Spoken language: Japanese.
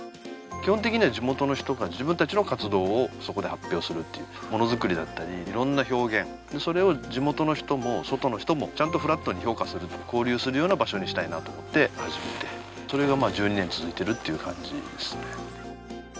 基本的には地元の人達が自分達の活動をそこで発表するっていうものづくりだったりいろんな表現それを地元の人も外の人もちゃんとフラットに評価する交流するような場所にしたいなと思って始めてそれが１２年続いてるっていう感じですね